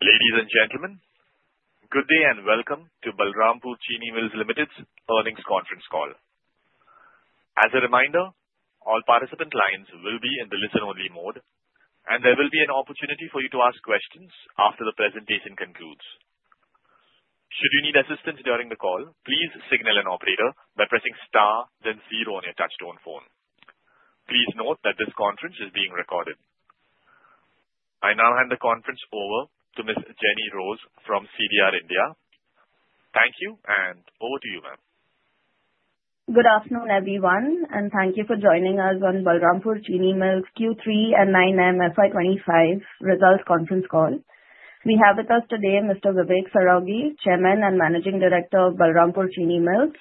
Ladies and gentlemen, good day and welcome to Balrampur Chini Mills Limited's Earnings Conference Call. As a reminder, all participant lines will be in the listen-only mode, and there will be an opportunity for you to ask questions after the presentation concludes. Should you need assistance during the call, please signal an operator by pressing star, then zero on your touch-tone phone. Please note that this conference is being recorded. I now hand the conference over to Miss Jenny Rose from CDR India. Thank you, and over to you, ma'am. Good afternoon, everyone, and thank you for joining us on Balrampur Chini Mills Q3 and 9M FY25 Results Conference Call. We have with us today Mr. Vivek Saraogi, Chairman and Managing Director of Balrampur Chini Mills,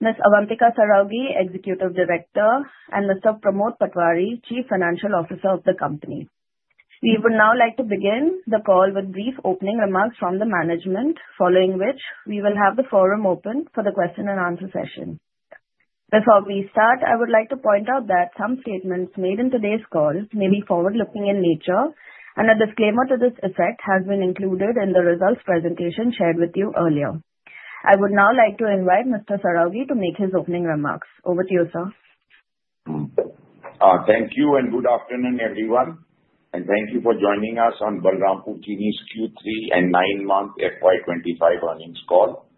Miss Avantika Saraogi, Executive Director, and Mr. Pramod Patwari, Chief Financial Officer of the company. We would now like to begin the call with brief opening remarks from the management, following which we will have the forum open for the question-and-answer session. Before we start, I would like to point out that some statements made in today's call may be forward-looking in nature, and a disclaimer to this effect has been included in the results presentation shared with you earlier. I would now like to invite Mr. Saraogi to make his opening remarks. Over to you, sir. Thank you, and good afternoon, everyone. And thank you for joining us on Balrampur Chini's Q3 and 9-month FY25 earnings call.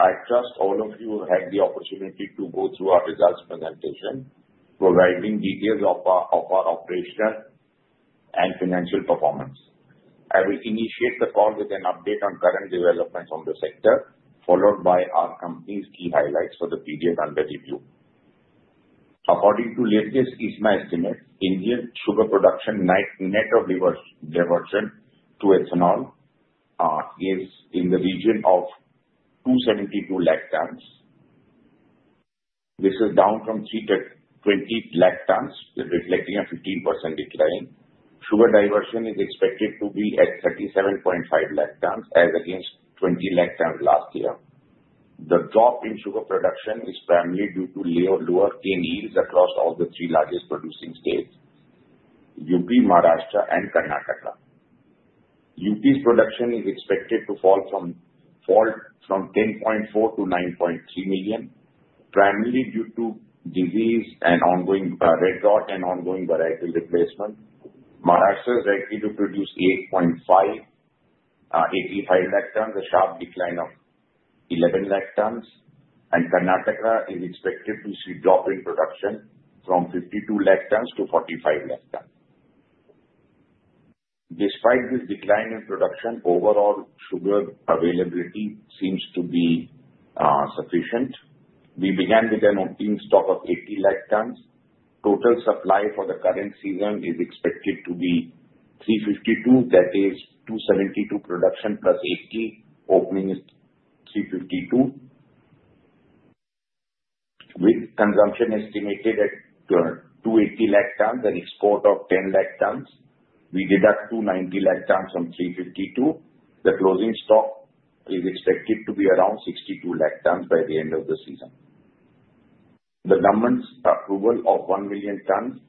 I trust all of you had the opportunity to go through our results presentation, providing details of our operational and financial performance. I will initiate the call with an update on current developments on the sector, followed by our company's key highlights for the period under review. According to latest ISMA estimates, India's sugar production net diversion to ethanol is in the region of 272 lakh tons. This is down from 320 lakh tons, reflecting a 15% decline. Sugar diversion is expected to be at 37.5 lakh tons, as against 20 lakh tons last year. The drop in sugar production is primarily due to lower recoveries across all the three largest producing states: UP, Maharashtra, and Karnataka. UP's production is expected to fall from 10.4 to 9.3 million, primarily due to disease and ongoing red rot and ongoing variety replacement. Maharashtra is likely to produce 8.5, 85 lakh tons, a sharp decline of 11 lakh tons, and Karnataka is expected to see a drop in production from 52 lakh tons to 45 lakh tons. Despite this decline in production, overall sugar availability seems to be sufficient. We began with an opening stock of 80 lakh tons. Total supply for the current season is expected to be 352, that is 272 production plus 80 opening is 352, with consumption estimated at 280 lakh tons and export of 10 lakh tons. We deduct 290 lakh tons from 352. The closing stock is expected to be around 62 lakh tons by the end of the season. The government's approval of one million tons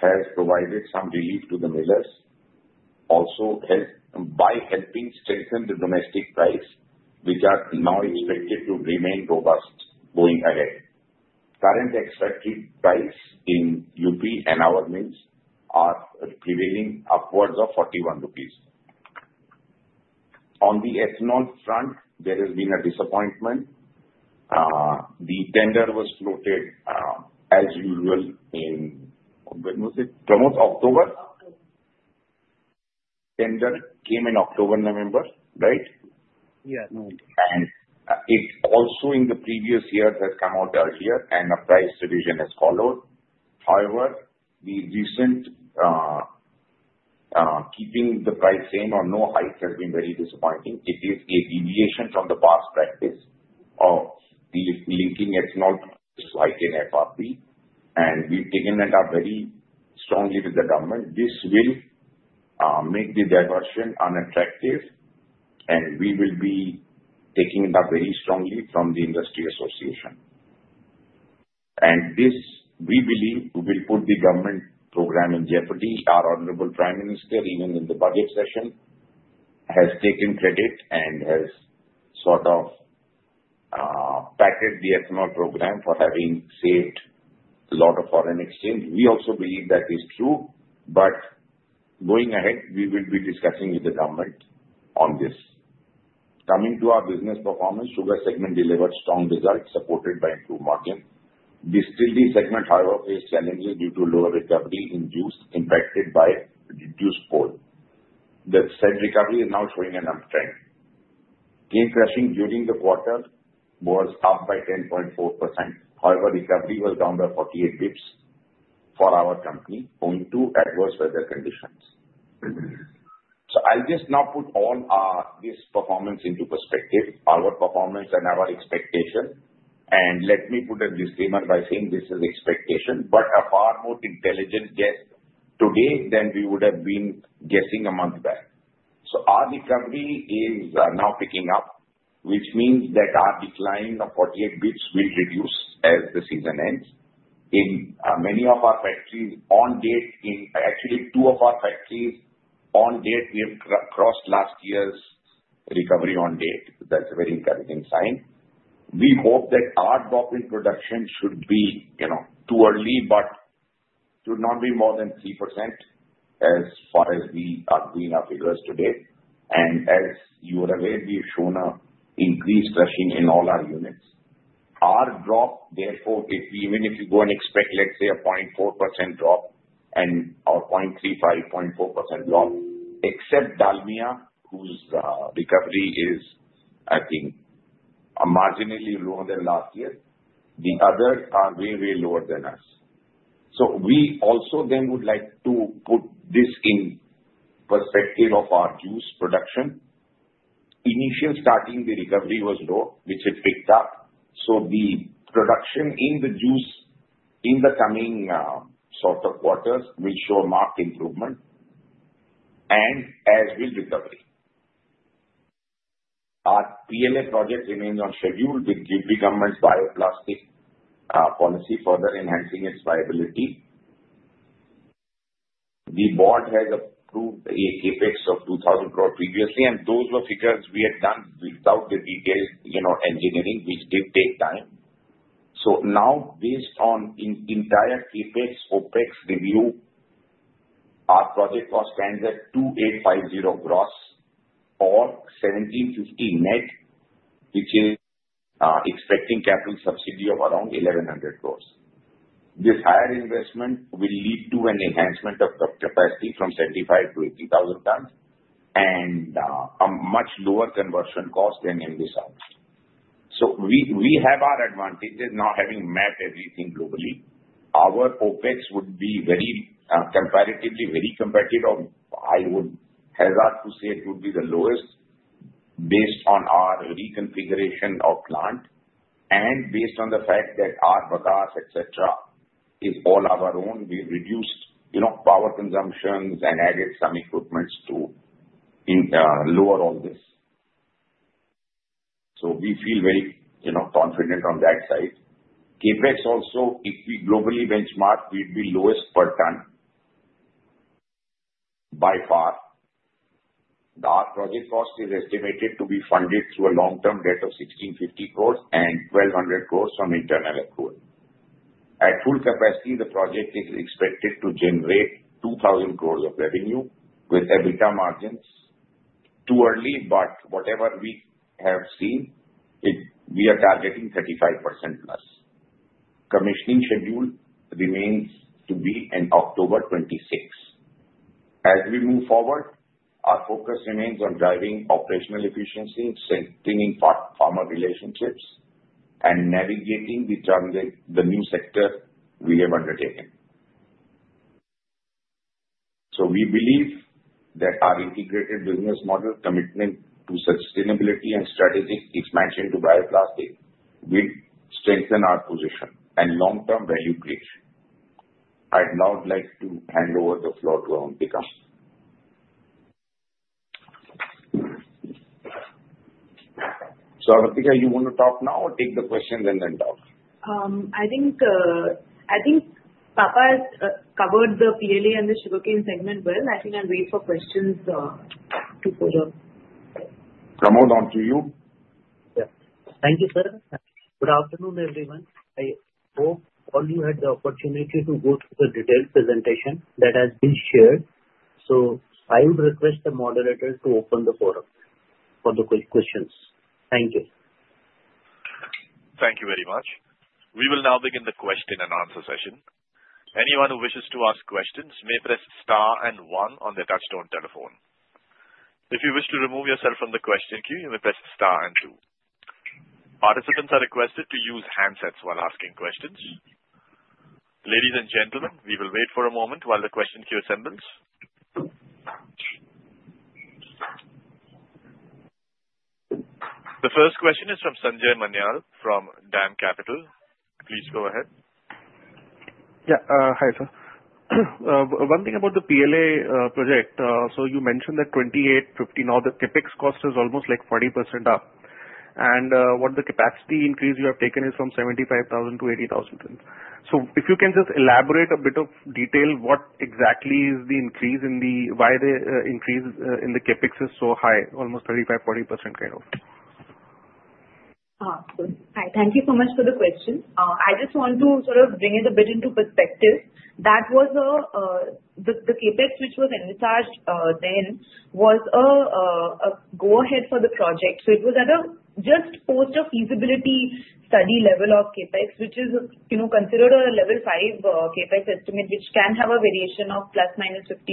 has provided some relief to the millers, also by helping strengthen the domestic price, which are now expected to remain robust going ahead. Current expected price in UP and our mills are prevailing upwards of 41 rupees. On the ethanol front, there has been a disappointment. The tender was floated, as usual, in when was it? Pramod, October? October. Tender came in October, November, right? Yeah, November. And it also in the previous years has come out earlier, and a price revision has followed. However, the recent keeping the price same or no hike has been very disappointing. It is a deviation from the past practice of linking ethanol to like in FRP, and we've taken it up very strongly with the government. This will make the diversion unattractive, and we will be taking it up very strongly from the industry association. And this, we believe, will put the government program in jeopardy. Our Honorable Prime Minister, even in the budget session, has taken credit and has sort of patted the ethanol program for having saved a lot of foreign exchange. We also believe that is true, but going ahead, we will be discussing with the government on this. Coming to our business performance, sugar segment delivered strong results supported by improved margin. The sugar segment, however, faced challenges due to lower recovery induced, impacted by reduced pull. The said recovery is now showing an uptrend. Cane crushing during the quarter was up by 10.4%. However, recovery was down by 48 basis points for our company, owing to adverse weather conditions. So I'll just now put all this performance into perspective, our performance and our expectation, and let me put a disclaimer by saying this is expectation, but a far more intelligent guess today than we would have been guessing a month back. So our recovery is now picking up, which means that our decline of 48 basis points will reduce as the season ends. In many of our factories to date, in actually two of our factories to date, we have crossed last year's recovery to date. That's a very encouraging sign. We hope that our drop in production should be too early, but should not be more than 3% as far as we are doing our figures today. And as you are aware, we have shown an increased crushing in all our units. Our drop, therefore, even if you go and expect, let's say, a 0.4% drop and/or 0.35 to 0.4% drop, except Dalmia, whose recovery is, I think, marginally lower than last year, the others are way, way lower than us. So we also then would like to put this in perspective of our juice production. Initially, starting the recovery was low, which it picked up. So the production in the juice in the coming sort of quarters will show a marked improvement and as will recovery. Our PLA project remains on schedule with the UP government's bioplastic policy, further enhancing its viability. The board has approved a CAPEX of 2,000 crore previously, and those were figures we had done without the detailed engineering, which did take time. So now, based on the entire CAPEX OPEX review, our project cost stands at 2,850 gross or 1,750 net, which is expecting capital subsidy of around 1,100 crores. This higher investment will lead to an enhancement of the capacity from 75 to 80,000 tons and a much lower conversion cost than in this outlay. So we have our advantages now having mapped everything globally. Our OPEX would be comparatively very competitive. I would hazard to say it would be the lowest based on our reconfiguration of plant and based on the fact that our bagasse, etc., is all of our own. We reduced power consumption and added some equipment to lower all this. So we feel very confident on that side. CAPEX also, if we globally benchmark, will be lowest per ton by far. Our project cost is estimated to be funded through a long-term debt of 1,650 crores and 1,200 crores from internal accrual. At full capacity, the project is expected to generate 2,000 crores of revenue with EBITDA margins. Too early, but whatever we have seen, we are targeting 35% plus. Commissioning schedule remains to be on 26 October. As we move forward, our focus remains on driving operational efficiency, strengthening farmer relationships, and navigating the new sector we have undertaken. So we believe that our integrated business model, commitment to sustainability, and strategic expansion to bioplastic will strengthen our position and long-term value creation. I'd now like to hand over the floor to Avantika. So Avantika, you want to talk now or take the questions and then talk? I think Papa has covered the PLA and the sugarcane segment well. I think I'll wait for questions to pull up. Pramod, on to you. Yeah. Thank you, sir. Good afternoon, everyone. I hope all you had the opportunity to go through the detailed presentation that has been shared. So I would request the moderator to open the forum for the questions. Thank you. Thank you very much. We will now begin the question and answer session. Anyone who wishes to ask questions may press star and one on the touchstone telephone. If you wish to remove yourself from the question queue, you may press star and two. Participants are requested to use handsets while asking questions. Ladies and gentlemen, we will wait for a moment while the question queue assembles. The first question is from Sanjay Manyal from DA`M Capital. Please go ahead. Yeah, Hi, sir. One thing about the PLA project, so you mentioned that 28,50, now the CAPEX cost is almost like 40% up. And what the capacity increase you have taken is from 75,000 to 80,000 tons. So if you can just elaborate a bit of detail, what exactly is the increase in the why the increase in the CAPEX is so high, almost 35% to 40% kind of? Awesome. Hi. Thank you so much for the question. I just want to sort of bring it a bit into perspective. That was the CAPEX, which was incurred then, was a go-ahead for the project. So it was at a post-feasibility study level of CAPEX, which is considered a level five CAPEX estimate, which can have a variation of plus minus 50%.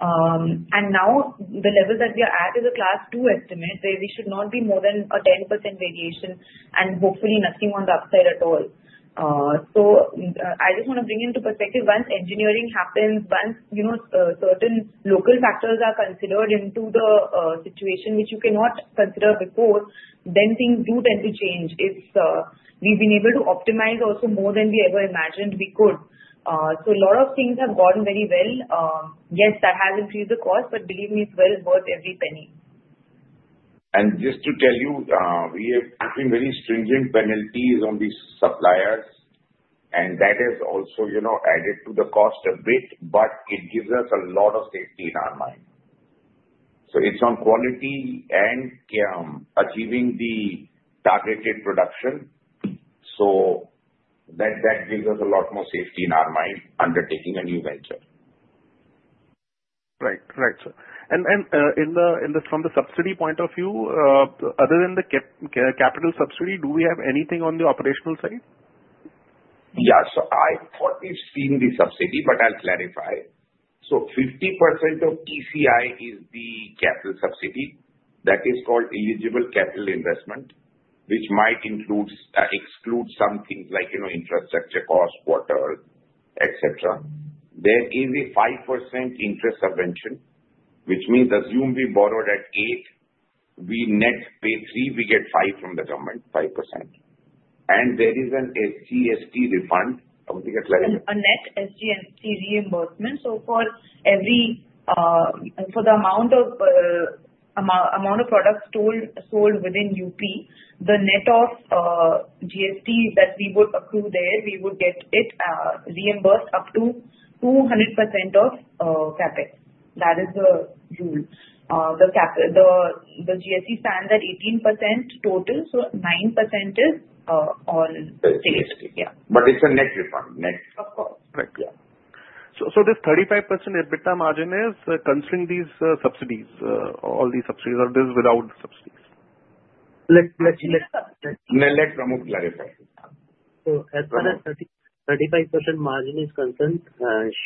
And now the level that we are at is a class two estimate, where we should not be more than a 10% variation and hopefully nothing on the upside at all. So I just want to bring into perspective, once engineering happens, once certain local factors are considered into the situation, which you cannot consider before, then things do tend to change. We've been able to optimize also more than we ever imagined we could. So a lot of things have gone very well. Yes, that has increased the cost, but believe me, it's well worth every penny. And just to tell you, we have been very stringent penalties on these suppliers, and that has also added to the cost a bit, but it gives us a lot of safety in our mind, so it's on quality and achieving the targeted production, so that gives us a lot more safety in our mind undertaking a new venture. Right. Right, sir. And from the subsidy point of view, other than the capital subsidy, do we have anything on the operational side? Yeah. So I thought we've seen the subsidy, but I'll clarify. So 50% of ECI is the capital subsidy. That is called eligible capital investment, which might exclude some things like infrastructure costs, water, etc. There is a 5% interest subvention, which means assume we borrowed at eight, we net pay three, we get five from the government, 5%. And there is an SGST refund. Avanthika, clarify. A net SGST reimbursement. So for the amount of products sold within UP, the net of GST that we would accrue there, we would get it reimbursed up to 200% of CapEx. That is the rule. The GST stands at 18% total, so 9% is on. But it's a net refund, net. Of course. Right. Yeah. So this 35% EBITDA margin is concerning these subsidies, all these subsidies or this without subsidies? Let's just. No, let Pramod clarify. So as far as 35% margin is concerned,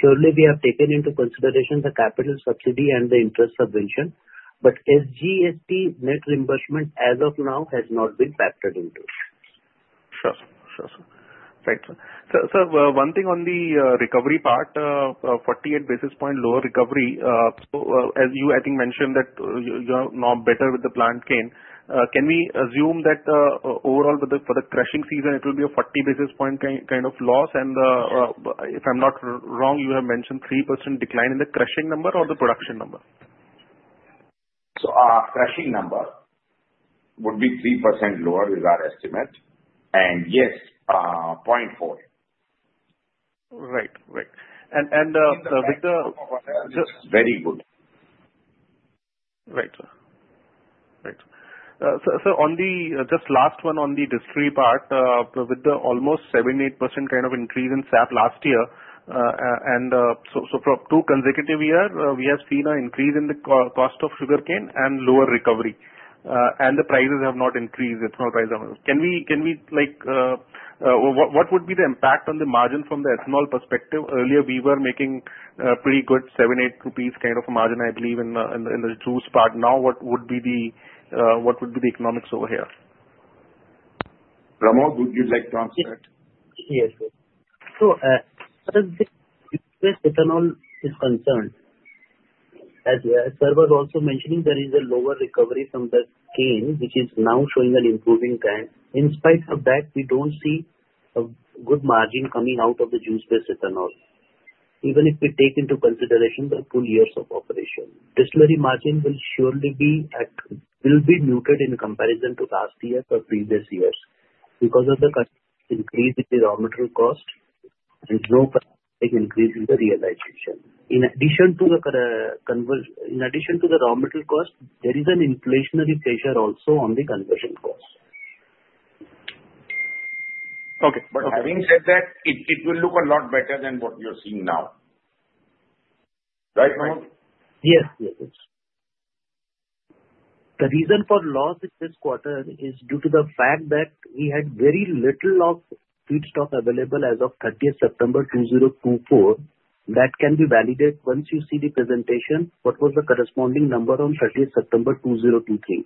surely we have taken into consideration the capital subsidy and the interest subvention, but SGST net reimbursement as of now has not been factored into it. Sure. Sure, sir. Right, sir. So one thing on the recovery part, 48 basis point lower recovery. So as you, I think, mentioned that you are now better with the plant cane. Can we assume that overall for the crushing season, it will be a 40 basis point kind of loss? And if I'm not wrong, you have mentioned 3% decline in the crushing number or the production number? So our crushing number would be 3% lower with our estimate. And yes, 0.4. Right. Right. And with the. It's very good. Right. Right. So just last one on the distillery part, with the almost 78% kind of increase in SAP last year, and so for two consecutive years, we have seen an increase in the cost of sugarcane and lower recovery. And the prices have not increased. It's not rising. Can we what would be the impact on the margin from the ethanol perspective? Earlier, we were making a pretty good 78 rupees kind of margin, I believe, in the juice part. Now, what would be the economics over here? Pramod, would you like to answer that? Yes, sir. So the juice-based ethanol is concerned. As we were also mentioning, there is a lower recovery from the cane, which is now showing an improving trend. In spite of that, we don't see a good margin coming out of the juice-based ethanol, even if we take into consideration the full years of operation. Distillery margin will surely be muted in comparison to last year or previous years because of the increase in the raw material cost and no increase in the realization. In addition to the raw material cost, there is an inflationary pressure also on the conversion cost. Okay. But having said that, it will look a lot better than what you're seeing now. Right, Pramod? Yes. The reason for loss this quarter is due to the fact that we had very little sugar stock available as of 30 September 2024. That can be validated once you see the presentation, what was the corresponding number on 30 September 2023.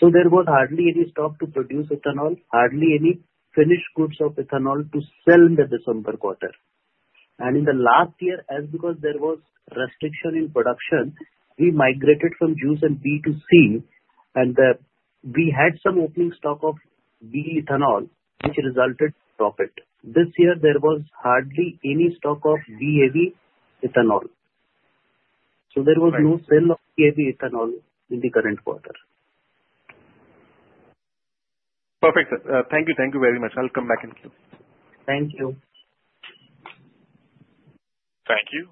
So there was hardly any stock to produce ethanol, hardly any finished goods of ethanol to sell in the December quarter. And in the last year, as because there was restriction in production, we migrated from juice and B-heavy to C-heavy, and we had some opening stock of B-heavy ethanol, which resulted in profit. This year, there was hardly any stock of B-heavy ethanol. So there was no sale of B-heavy ethanol in the current quarter. Perfect. Thank you. Thank you very much. I'll come back in. Thank you. Thank you.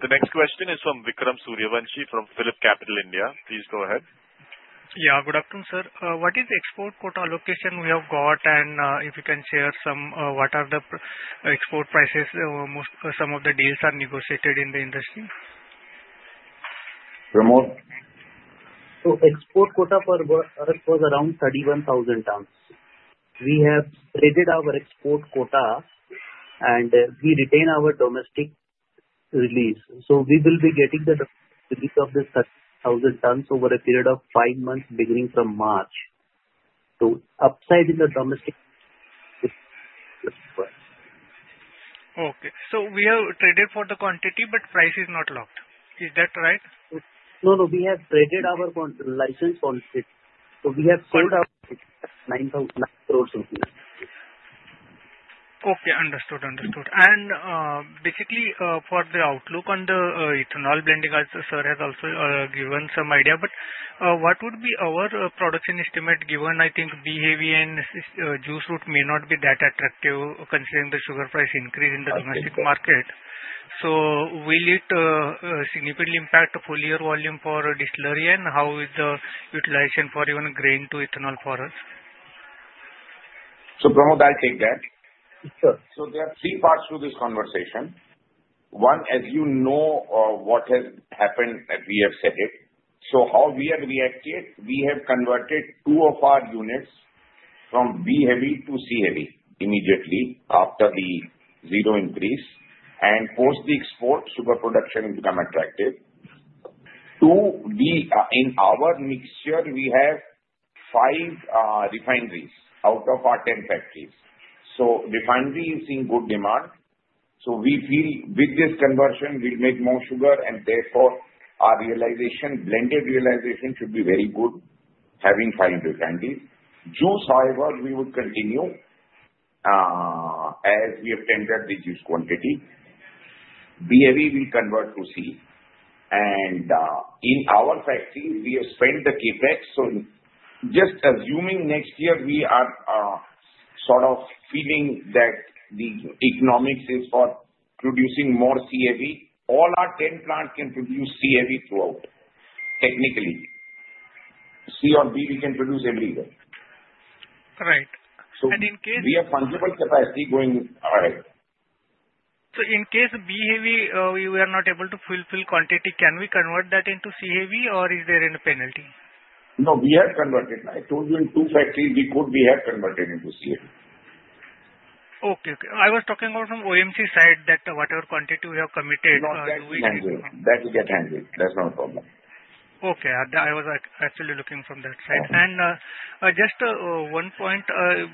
The next question is from Vikram Suryavanshi from PhillipCapital India. Please go ahead. Yeah. Good afternoon, sir. What is the export quota allocation we have got, and if you can share some, what are the export prices? Some of the deals are negotiated in the industry? Pramod. Export quota for us was around 31,000 tons. We have traded our export quota, and we retain our domestic release. We will be getting the release of this 31,000 tons over a period of five months beginning from March. Upside in the domestic release. Okay. So we have traded for the quantity, but price is not locked. Is that right? No, no. We have traded our license quantity. So we have sold our 9 crores. Okay. Understood. Understood. And basically, for the outlook on the ethanol blending, as sir has also given some idea, but what would be our production estimate given, I think B-heavy and juice route may not be that attractive considering the sugar price increase in the domestic market. So will it significantly impact the full year volume for distillery, and how is the utilization for even grain to ethanol for us? So Pramod, I'll take that. Sure. So there are three parts to this conversation. One, as you know what has happened, we have said it. So how we have reacted, we have converted two of our units from B-heavy to C-heavy immediately after the zero increase. And post the export, sugar production has become attractive. In our mixture, we have five refineries out of our 10 factories. So refineries in good demand. So we feel with this conversion, we'll make more sugar, and therefore our realization, blended realization should be very good having five refineries. Juice, however, we would continue as we have tendered the juice quantity. B-heavy will convert to C. And in our factories, we have spent the CapEx. So just assuming next year we are sort of feeling that the economics is for producing more C-heavy, all our 10 plants can produce C-heavy throughout technically. C or B, we can produce everywhere. Right. And in case. We have fungible capacity going ahead. So, in case B-Heavy we are not able to fulfill quantity, can we convert that into CAV, or is there any penalty? No, we have converted. I told you in two factories we could, we have converted into C-Heavy. Okay. I was talking about from OMC side that whatever quantity we have committed. No, that's handled. That will get handled. That's not a problem. Okay. I was actually looking from that side, and just one point,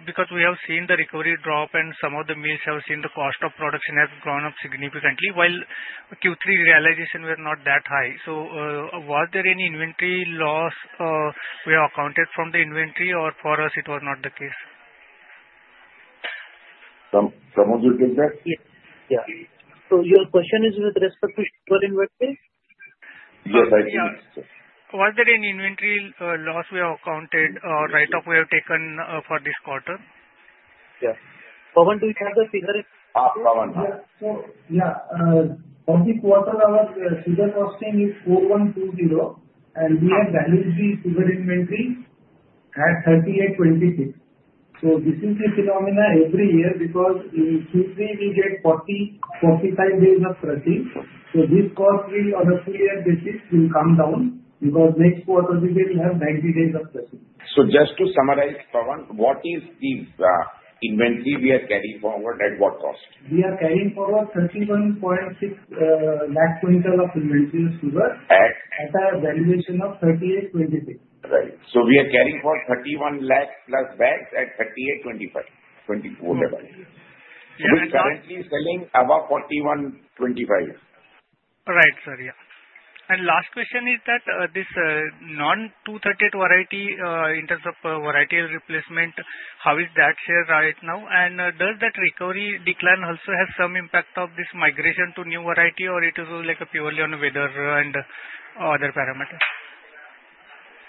because we have seen the recovery drop and some of the mills have seen the cost of production has grown up significantly while Q3 realization was not that high, so was there any inventory loss we have accounted from the inventory or for us it was not the case? Pramod, you take that. Yeah, so your question is with respect to sugar inventory? Yes, I think so. Was there any inventory loss we have accounted or write-off we have taken for this quarter? Yeah. Pramod, do you have the figure? Pramod. Yeah. So, for this quarter, our sugar costing is 4,120, and we have valued the sugar inventory at 3,826. So, this is the phenomenon every year because in Q3 we get 40-45 days of crushing. So, this cost will on a full year basis come down because next quarter we will have 90 days of crushing. So just to summarize, Pramod, what is the inventory we are carrying forward at what cost? We are carrying forward 31.6 lakh quintals of inventory of sugar at a valuation of 3,826. Right. So we are carrying forward 31 lakh plus bags at 3825. Right. We are currently selling above 4125. Right, sir. Yeah. And last question is that this non-238 variety in terms of varietal replacement, how is that share right now? And does that recovery decline also have some impact of this migration to new variety, or it is like purely on weather and other parameters?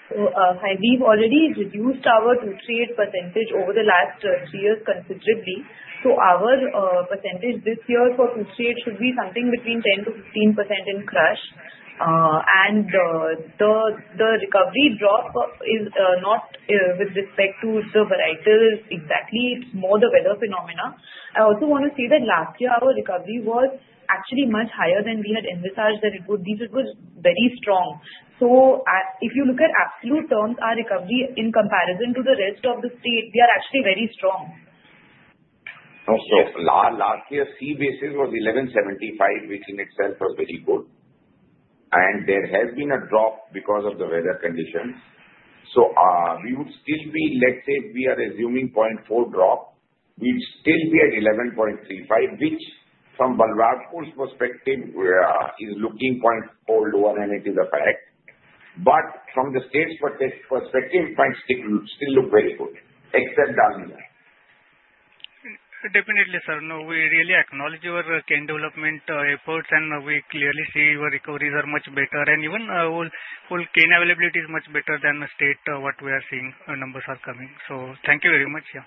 So we've already reduced our 238 percentage over the last three years considerably. So our percentage this year for 238 should be something between 10% to 15% in crush. And the recovery drop is not with respect to the varietals exactly. It's more the weather phenomena. I also want to say that last year our recovery was actually much higher than we had envisaged that it would be. So it was very strong. So if you look at absolute terms, our recovery in comparison to the rest of the state, we are actually very strong. So last year, C basis was 1175, which in itself was very good. And there has been a drop because of the weather conditions. So we would still be, let's say we are assuming 0.4 drop, we'd still be at 11.35, which from Balrampur's perspective is looking 0.4 lower, and it is a fact. But from the state's perspective, it still looks very good, except Dharmindra. Definitely, sir. No, we really acknowledge your cane development efforts, and we clearly see your recoveries are much better. And even full cane availability is much better than state what we are seeing numbers are coming. So thank you very much. Yeah.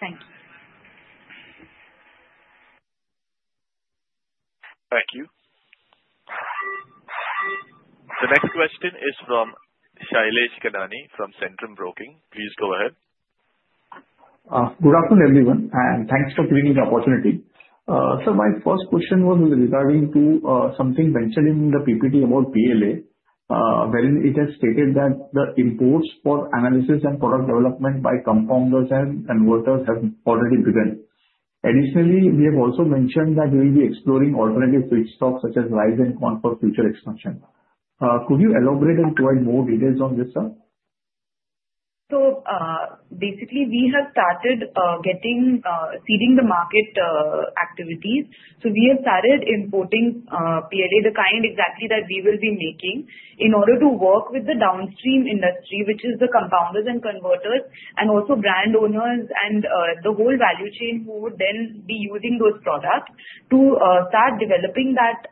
Thank you. Thank you. The next question is from Shailesh Kanani from Centrum Broking. Please go ahead. Good afternoon, everyone. And thanks for giving me the opportunity. So my first question was regarding to something mentioned in the PPT about PLA, wherein it has stated that the imports for analysis and product development by compounders and converters have already begun. Additionally, we have also mentioned that we will be exploring alternative feedstocks such as rice and corn for future extraction. Could you elaborate and provide more details on this, sir? So basically, we have started seeding the market activities. So we have started importing PLA, the kind exactly that we will be making, in order to work with the downstream industry, which is the compounders and converters, and also brand owners and the whole value chain who would then be using those products to start developing that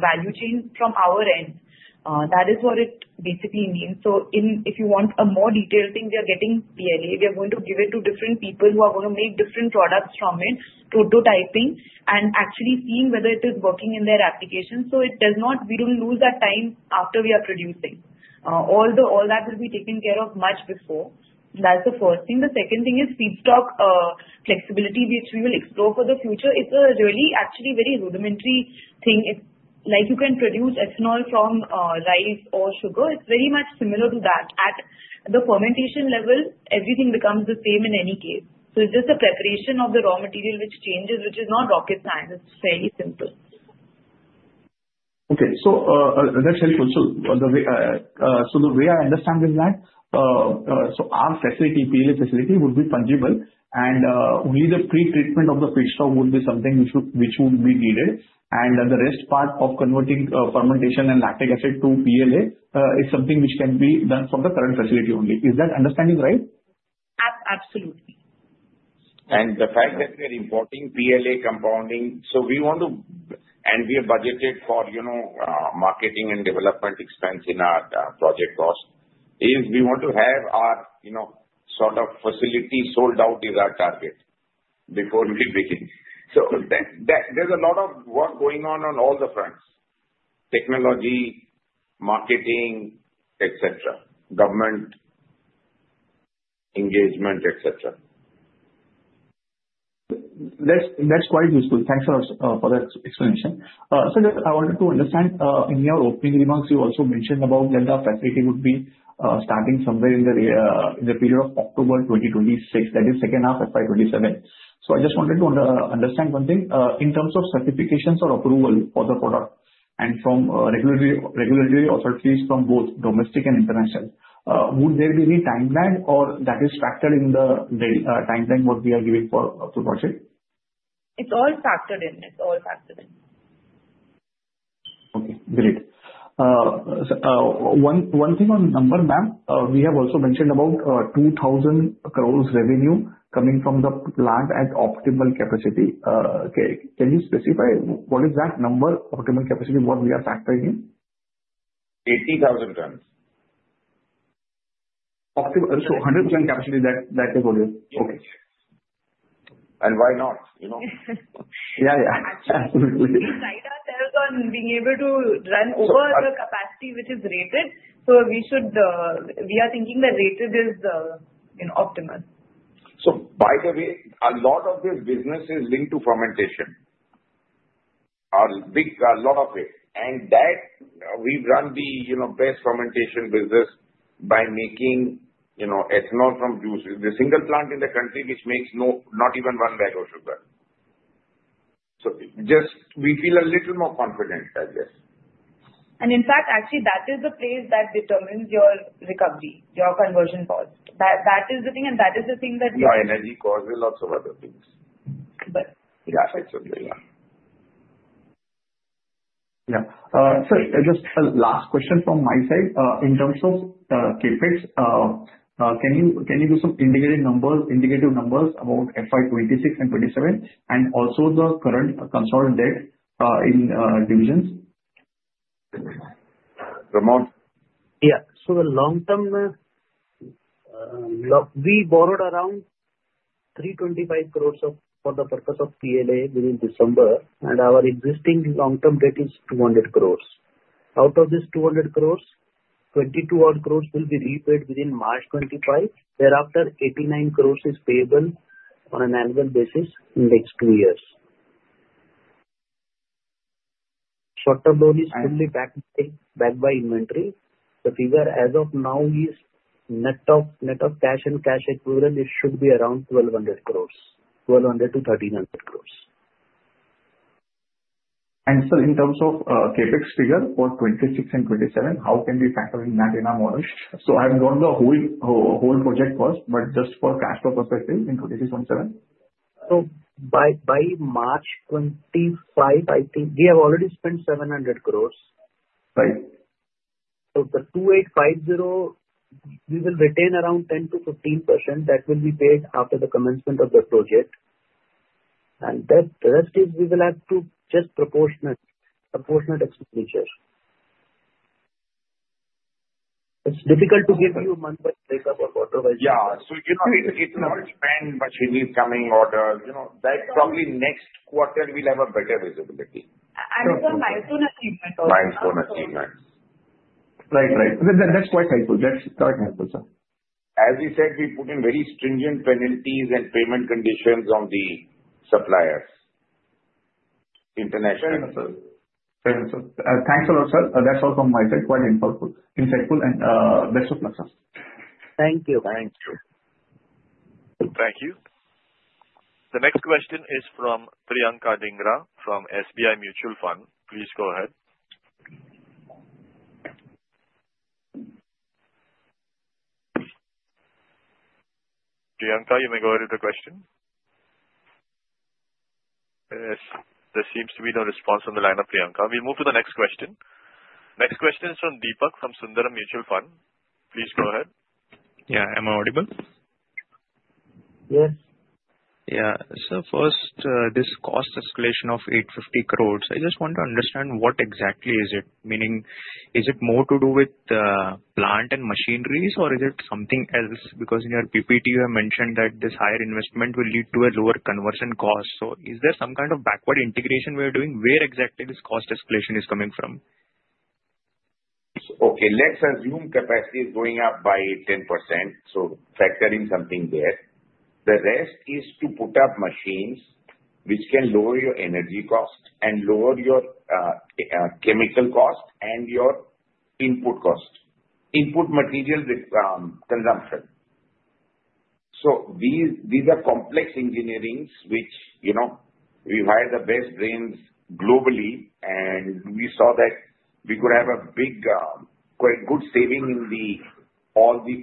value chain from our end. That is what it basically means. So if you want a more detailed thing, we are getting PLA. We are going to give it to different people who are going to make different products from it, prototyping, and actually seeing whether it is working in their application. So that we don't lose that time after we are producing. All that will be taken care of much before. That's the first thing. The second thing is feedstock flexibility, which we will explore for the future. It's a really actually very rudimentary thing. It's like you can produce ethanol from rice or sugar. It's very much similar to that. At the fermentation level, everything becomes the same in any case. So it's just the preparation of the raw material which changes, which is not rocket science. It's fairly simple. Okay. So that's helpful. So the way I understand is that so our facility, PLA facility, would be fungible, and only the pre-treatment of the feedstock would be something which would be needed. And the rest part of converting fermentation and lactic acid to PLA is something which can be done from the current facility only. Is that understanding right? Absolutely. And the fact that we are importing PLA compounding, so we want to, and we have budgeted for marketing and development expense in our project cost is we want to have our sort of facility sold out is our target before we begin. So there's a lot of work going on all the fronts: technology, marketing, etc., government engagement, etc. That's quite useful. Thanks for that explanation. Sir, I wanted to understand in your opening remarks, you also mentioned about that the facility would be starting somewhere in the period of October 2026, that is second half of FY 27. So I just wanted to understand one thing. In terms of certifications or approval for the product and from regulatory authorities from both domestic and international, would there be any timeline or that is factored in the timeline what we are giving for the project? It's all factored in. It's all factored in. Okay. Great. One thing on number, ma'am, we have also mentioned about 2,000 crores revenue coming from the plant at optimal capacity. Can you specify what is that number, optimal capacity, what we are factoring in? 80,000 tons. So 100% capacity, that is what you're okay. Why not? Yeah, yeah. Absolutely. We need to guide ourselves on being able to run over the capacity which is rated. So we are thinking that rated is optimal. So by the way, a lot of this business is linked to fermentation, a lot of it. And that we've run the best fermentation business by making ethanol from juice, the single plant in the country which makes not even one bag of sugar. So we feel a little more confident, I guess. In fact, actually, that is the place that determines your recovery, your conversion cost. That is the thing, and that is the thing that. Yeah. Energy cost and lots of other things. But. Yeah. Yeah. Sir, just a last question from my side. In terms of CAPEX, can you give some indicative numbers about FY 26 and 27 and also the current consolidated in divisions? Pramod? Yeah. So the long-term, we borrowed around 325 crores for the purpose of PLA within December, and our existing long-term debt is 200 crores. Out of this 200 crores, 22 odd crores will be repaid within March 2025. Thereafter, 89 crores is payable on an annual basis in the next two years. Short-term loan is only backed by inventory. The figure as of now is net of cash and cash equivalent, it should be around 1,200 crores, 1,200 to 1,300 crores. And sir, in terms of CAPEX figure for 26 and 27, how can we factor in that in our model? So I've got the whole project cost, but just for cash flow perspective in 26, 27? So by March 25, I think we have already spent 700 crores. Right. So the 2850, we will retain around 10% to 15% that will be paid after the commencement of the project. And the rest is we will have to just proportionate expenditure. It's difficult to give you a month-wise breakup or quarter-wise breakup. Yeah, so it's not spend, but it is coming orders. That probably next quarter we'll have a better visibility. It's a milestone achievement also. Milestone achievement. Right, right. That's quite helpful. That's quite helpful, sir. As we said, we put in very stringent penalties and payment conditions on the suppliers, international. Fair enough, sir. Thanks a lot, sir. That's all from my side. Quite insightful and best of luck, sir. Thank you. Thank you. Thank you. The next question is from Priyanka Dhingra from SBI Mutual Fund. Please go ahead. Priyanka, you may go ahead with the question. Yes. There seems to be no response on the line of Priyanka. We'll move to the next question. Next question is from Deepak from Sundaram Mutual Fund. Please go ahead. Yeah. Am I audible? Yes. Yeah. So first, this cost escalation of 850 crores, I just want to understand what exactly is it? Meaning, is it more to do with plant and machinery, or is it something else? Because in your PPT, you have mentioned that this higher investment will lead to a lower conversion cost. So is there some kind of backward integration we are doing? Where exactly this cost escalation is coming from? Okay. Let's assume capacity is going up by 10%, so factor in something there. The rest is to put up machines which can lower your energy cost and lower your chemical cost and your input cost, input material consumption. So these are complex engineerings which we've hired the best brains globally, and we saw that we could have a quite good saving in all the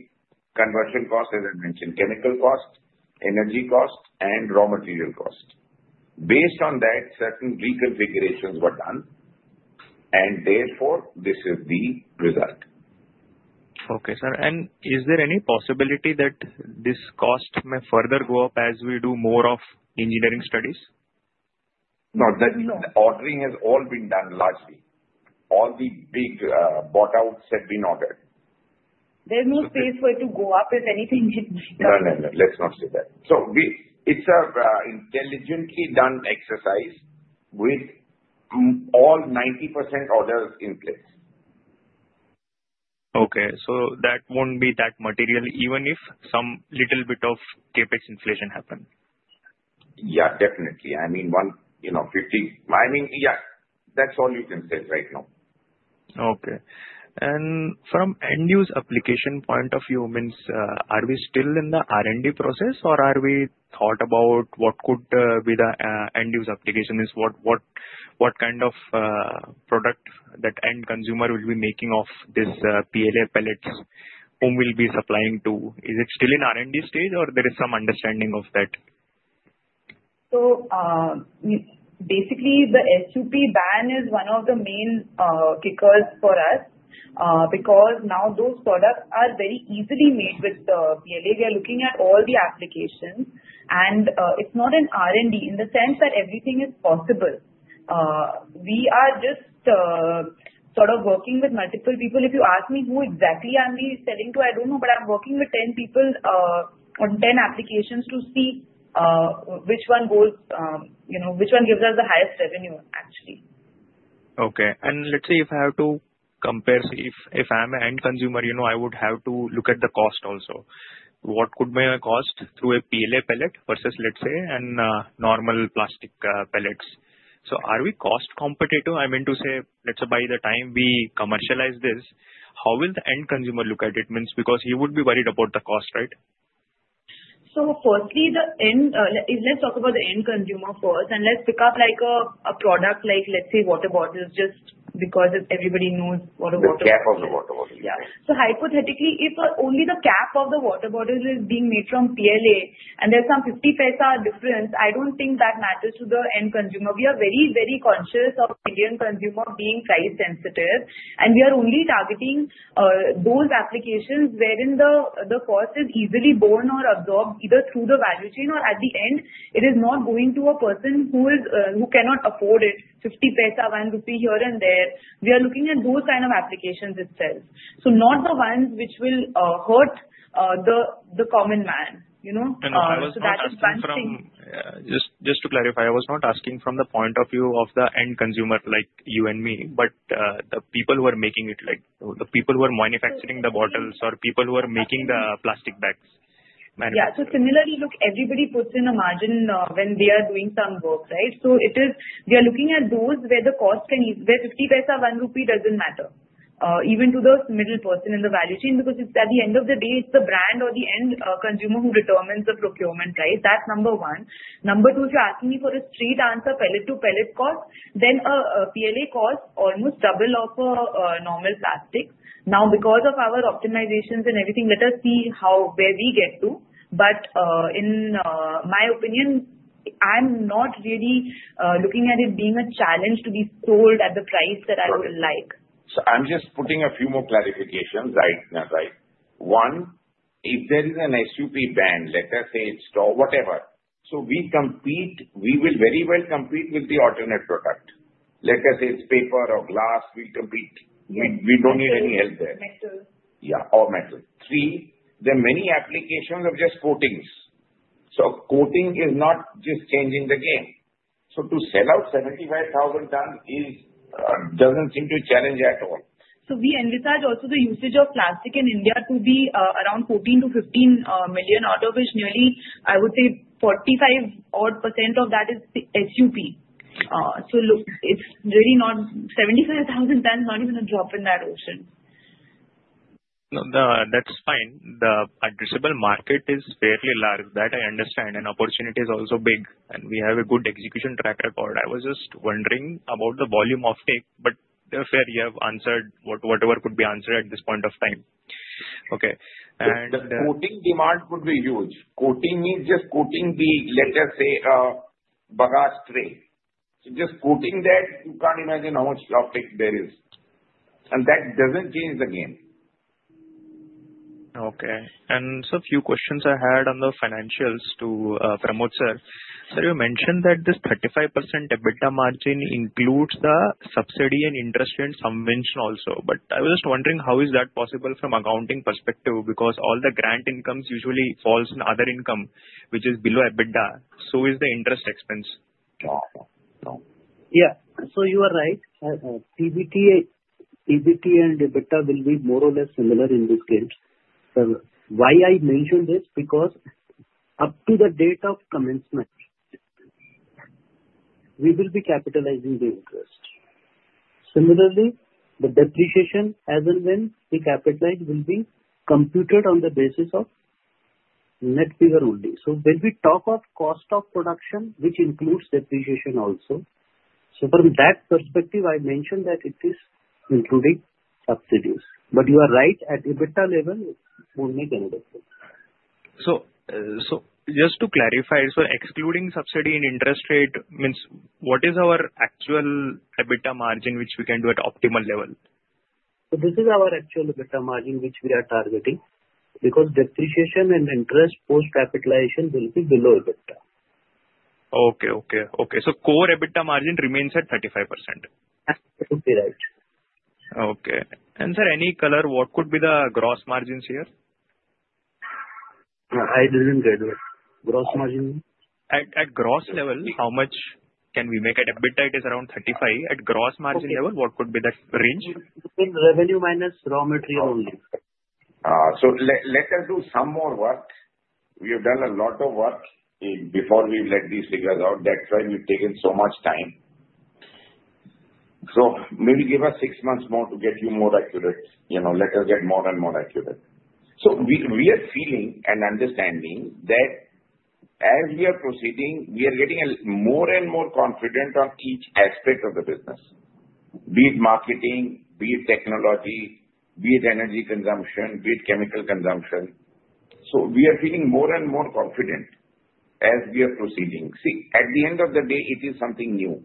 conversion costs as I mentioned: chemical cost, energy cost, and raw material cost. Based on that, certain reconfigurations were done, and therefore this is the result. Okay, sir, and is there any possibility that this cost may further go up as we do more of engineering studies? No. All ordering has been done largely. All the big buyouts have been ordered. There's no space for it to go up if anything comes in. No, no, no. Let's not say that. So it's an intelligently done exercise with all 90% orders in place. Okay, so that won't be that material even if some little bit of CAPEX inflation happened? Yeah, definitely. I mean, 50. Yeah. That's all you can say right now. Okay. And from end-use application point of view, means are we still in the R&D process, or have we thought about what could be the end-use application? What kind of product that end consumer will be making of this PLA pellets? Whom will be supplying to? Is it still in R&D stage, or there is some understanding of that? So basically, the SUP ban is one of the main kickers for us because now those products are very easily made with the PLA. We are looking at all the applications, and it's not an R&D in the sense that everything is possible. We are just sort of working with multiple people. If you ask me who exactly are we selling to, I don't know, but I'm working with 10 people on 10 applications to see which one goes which one gives us the highest revenue, actually. Okay. And let's say if I have to compare, if I'm an end consumer, I would have to look at the cost also. What could be my cost through a PLA pellet versus, let's say, a normal plastic pellets? So are we cost competitive? I mean, to say, let's say by the time we commercialize this, how will the end consumer look at it? Means because he would be worried about the cost, right? Firstly, let's talk about the end consumer first, and let's pick up a product like, let's say, water bottles just because everybody knows water bottles. The cap of the water bottle. Yeah. So hypothetically, if only the cap of the water bottle is being made from PLA and there's some 0.50 difference, I don't think that matters to the end consumer. We are very, very conscious of the Indian consumer being price sensitive, and we are only targeting those applications wherein the cost is easily borne or absorbed either through the value chain or at the end, it is not going to a person who cannot afford it, 0.50, 1 rupee here and there. We are looking at those kinds of applications itself. So not the ones which will hurt the common man. So that is one thing. Just to clarify, I was not asking from the point of view of the end consumer like you and me, but the people who are making it, the people who are manufacturing the bottles or people who are making the plastic bags. Yeah. So similarly, look, everybody puts in a margin when they are doing some work, right? So we are looking at those where the cost can be where 50 paisa, one rupee doesn't matter even to the middle person in the value chain because at the end of the day, it's the brand or the end consumer who determines the procurement, right? That's number one. Number two, if you're asking me for a straight answer, pellet to pellet cost, then a PLA cost is almost double of a normal plastic. Now, because of our optimizations and everything, let us see where we get to. But in my opinion, I'm not really looking at it being a challenge to be sold at the price that I would like. So I'm just putting a few more clarifications. Right, right, right. One, if there is an SUP ban, let us say it's whatever. So we compete. We will very well compete with the alternate product. Let us say it's paper or glass. We don't need any help there. Metal. Yeah. Or metal. Three, there are many applications of just coatings. So coating is not just changing the game. So to sell out 75,000 tons doesn't seem to be a challenge at all. So we envisage also the usage of plastic in India to be around 14 to 15 million, out of which nearly, I would say, 45 odd % of that is SUP. So look, it's really not. 75,000 tons is not even a drop in that ocean. That's fine. The addressable market is fairly large. That I understand. And opportunity is also big, and we have a good execution track record. I was just wondering about the volume of tape, but fair, you have answered whatever could be answered at this point of time. Okay. And. The coating demand would be huge. Coating means just coating the, let us say, bagasse tray. Just coating that, you can't imagine how much traffic there is. And that doesn't change the game. Okay. And sir, a few questions I had on the financials to Pramod, sir. Sir, you mentioned that this 35% EBITDA margin includes the subsidy and interest and some mention also. But I was just wondering how is that possible from accounting perspective because all the grant incomes usually fall in other income which is below EBITDA. So is the interest expense. Yeah. Yeah. So you are right. EBITDA and EBITDA will be more or less similar in this game. Why I mentioned this? Because up to the date of commencement, we will be capitalizing the interest. Similarly, the depreciation as and when we capitalize will be computed on the basis of net figure only. So when we talk of cost of production, which includes depreciation also, so from that perspective, I mentioned that it is including subsidies. But you are right, at EBITDA level, it won't make any difference. So just to clarify, sir, excluding subsidy and interest rate, means what is our actual EBITDA margin which we can do at optimal level? This is our actual EBITDA margin which we are targeting because depreciation and interest post-capitalization will be below EBITDA. So core EBITDA margin remains at 35%. That would be right. Okay. And sir, any color, what could be the gross margins here? I didn't get it. Gross margin? At gross level, how much can we make? At EBITDA, it is around 35. At gross margin level, what could be that range? Revenue minus raw material only. So let us do some more work. We have done a lot of work before we let these figures out. That's why we've taken so much time. So maybe give us six months more to get you more accurate. Let us get more and more accurate. So we are feeling and understanding that as we are proceeding, we are getting more and more confident on each aspect of the business, be it marketing, be it technology, be it energy consumption, be it chemical consumption. So we are feeling more and more confident as we are proceeding. See, at the end of the day, it is something new.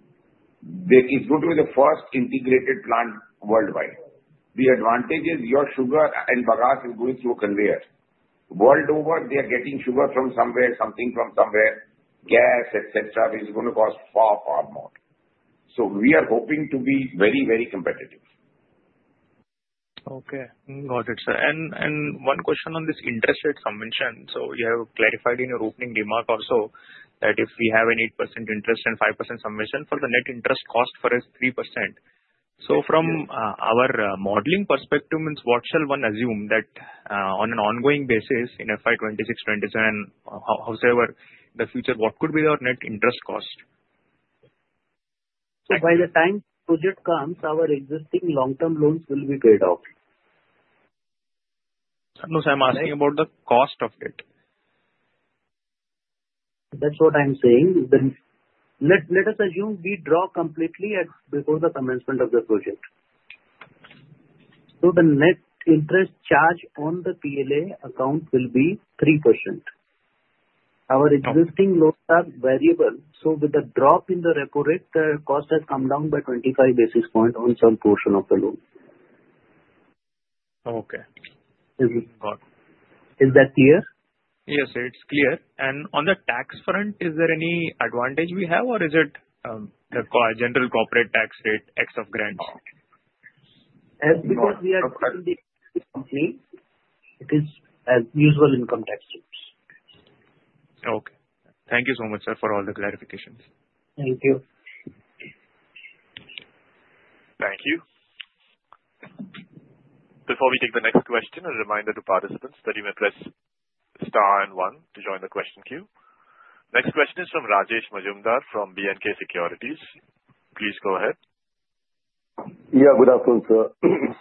It's going to be the first integrated plant worldwide. The advantage is your sugar and bagasse are going through a conveyor. World over, they are getting sugar from somewhere, something from somewhere, gas, etc., which is going to cost far, far more. So we are hoping to be very, very competitive. Okay. Got it, sir. And one question on this interest rate subvention. So you have clarified in your opening remark also that if we have an 8% interest and 5% subvention, the net interest cost is 3%. So from our modeling perspective, what shall one assume that on an ongoing basis in FY 26, 27, however, the future, what could be our net interest cost? So by the time project comes, our existing long-term loans will be paid off. No, sir, I'm asking about the cost of it. That's what I'm saying. Let us assume we draw completely before the commencement of the project. So the net interest charge on the PLA account will be 3%. Our existing loans are variable. So with the drop in the report, the cost has come down by 25 basis points on some portion of the loan. Okay. Is that clear? Yes, sir. It's clear. And on the tax front, is there any advantage we have, or is it the general corporate tax rate ex of grants? As because we are still the company. It is as usual income tax rates. Okay. Thank you so much, sir, for all the clarifications. Thank you. Thank you. Before we take the next question, a reminder to participants that you may press star and one to join the question queue. Next question is from Rajesh Majumdar from B&K Securities. Please go ahead. Yeah, good afternoon, sir.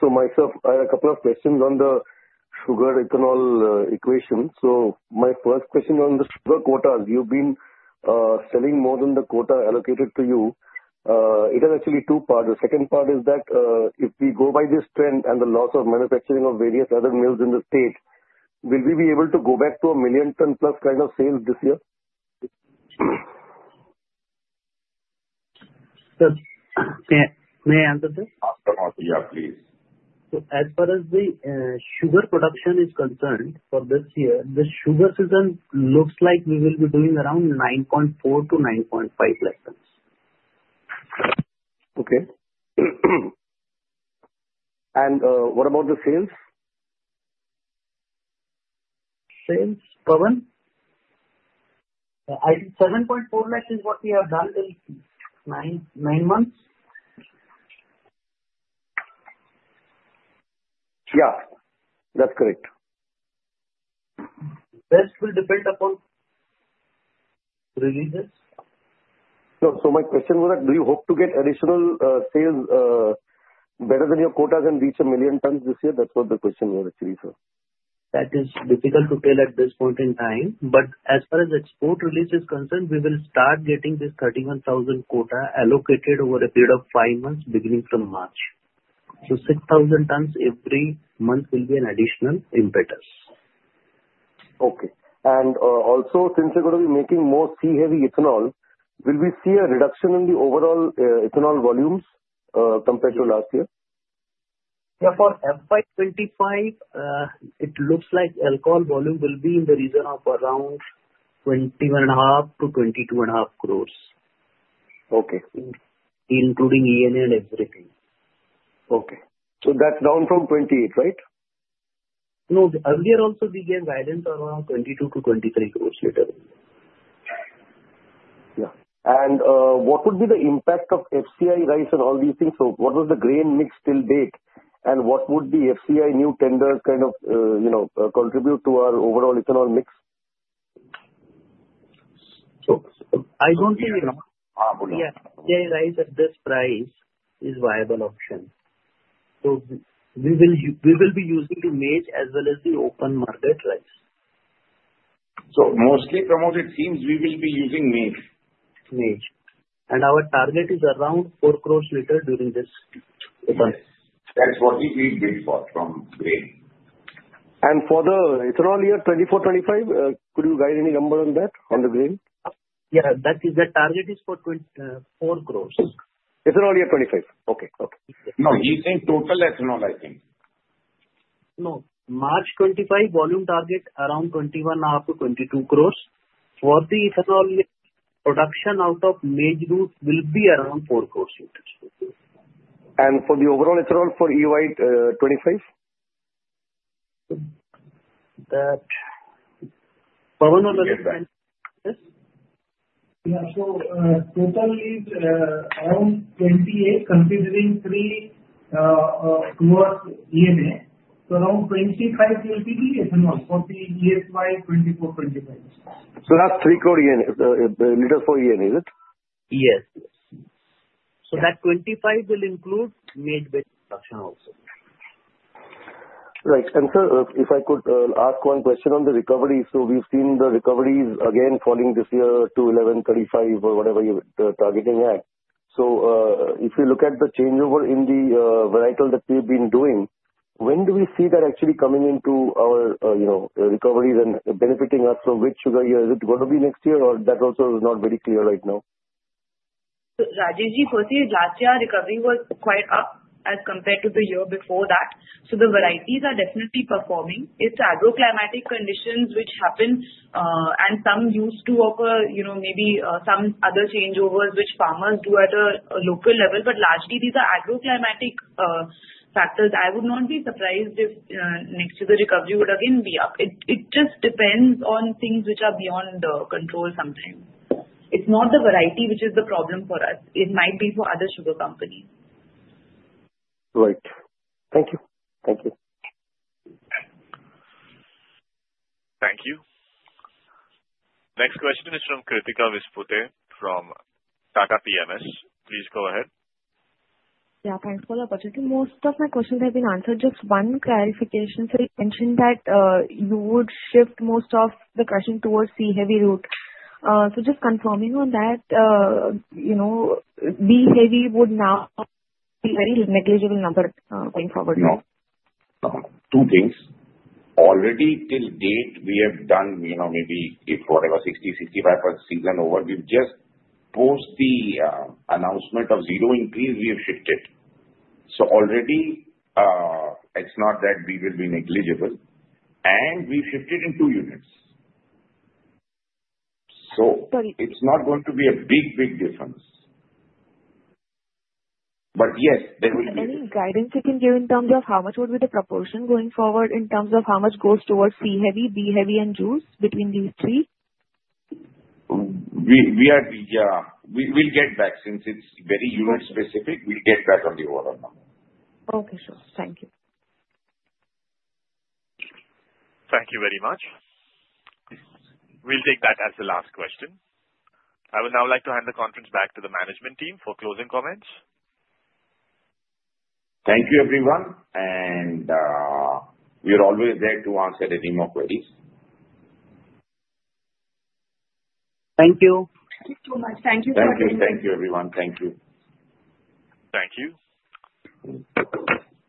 So myself, I have a couple of questions on the sugar ethanol equation. So my first question on the sugar quotas, you've been selling more than the quota allocated to you. It is actually two parts. The second part is that if we go by this trend and the loss of manufacturing of various other mills in the state, will we be able to go back to a million-ton plus kind of sales this year? May I answer this? Yeah, please. As far as the sugar production is concerned for this year, the sugar season looks like we will be doing around 9.4-9.5 lakh tonnes. Okay, and what about the sales? Sales, Pawan? 7.4 less is what we have done in nine months. Yeah, that's correct. Best will depend upon releases. So my question was that do you hope to get additional sales better than your quotas and reach a million tons this year? That's what the question was actually, sir. That is difficult to tell at this point in time. But as far as export release is concerned, we will start getting this 31,000 quota allocated over a period of five months beginning from March. So 6,000 tons every month will be an additional impetus. Okay. And also, since we're going to be making more C-heavy ethanol, will we see a reduction in the overall ethanol volumes compared to last year? Yeah. For FY 25, it looks like alcohol volume will be in the region of around 21.5-22.5 crores, including ENA and everything. Okay. So that's down from 28, right? No, earlier also we gave guidance around 22-23 crores later. Yeah, and what would be the impact of FCI rice and all these things? So, what was the grain mix till date? And what would the FCI new tenders kind of contribute to our overall ethanol mix? So I don't really know. FCI rice at this price is a viable option. So we will be using the maize as well as the open market rice. So mostly from what it seems, we will be using maize. Margin. And our target is around 4 crores later during this time. That's what we did for grain. For the ethanol year 2024, 2025, could you guide any number on that, on the grain? Yeah. That target is for four crores. Ethanol year 25. Okay, okay. No, you said total ethanol, I think. No. 25 March, volume target around 21.5-22 crores. For the ethanol production, out of juice route, will be around 4 crores. For the overall ethanol for FY 25? That Pawan will understand. Yes? Yeah. So total is around 28, considering 3 crores ENA. So around 25 will be the ethanol for the ESY 24, 25. So that's 3 crores ENA, liter for ENA, is it? Yes, yes. So that 25 will include maize rate production also. Right. And sir, if I could ask one question on the recovery. So we've seen the recoveries again falling this year to 11.35 or whatever you're targeting at. So if you look at the changeover in the varietal that we've been doing, when do we see that actually coming into our recoveries and benefiting us from which sugar year? Is it going to be next year, or that also is not very clear right now? Rajeshji, firstly, last year our recovery was quite up as compared to the year before that. So the varieties are definitely performing. It's agroclimatic conditions which happen, and some used to offer maybe some other changeovers which farmers do at a local level. But largely, these are agroclimatic factors. I would not be surprised if next year the recovery would again be up. It just depends on things which are beyond control sometimes. It's not the variety which is the problem for us. It might be for other sugar companies. Right. Thank you. Thank you. Thank you. Next question is from Krutika Vispute from Tata PMS. Please go ahead. Yeah. Thanks for the opportunity. Most of my questions have been answered. Just one clarification. So you mentioned that you would shift most of the crushing towards C-Heavy route. So just confirming on that, B-Heavy would now be a very negligible number going forward? Two things. Already till date, we have done maybe whatever 60%-65% season over. We've just post the announcement of zero increase, we have shifted. So already, it's not that we will be negligible. And we've shifted in two units. So it's not going to be a big, big difference. But yes, there will be. Any guidance you can give in terms of how much would be the proportion going forward in terms of how much goes towards C-heavy, B-heavy, and juice between these three? Yeah. We'll get back. Since it's very unit specific, we'll get back on the overall number. Okay. Sure. Thank you. Thank you very much. We'll take that as the last question. I would now like to hand the conference back to the management team for closing comments. Thank you, everyone, and we are always there to answer any more queries. Thank you. Thank you so much. Thank you for everything. Thank you. Thank you, everyone. Thank you. Thank you.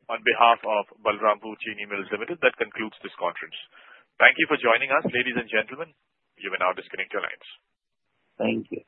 On behalf of Balrampur Chini Mills Limited, that concludes this conference. Thank you for joining us, ladies and gentlemen. You may now disconnect your lines. Thank you.